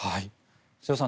瀬尾さん